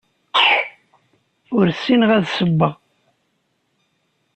Ur ssineɣ ad ssewweɣ.